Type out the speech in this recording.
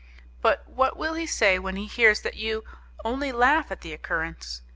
But what will he say when he hears that you only laugh at the occurrence?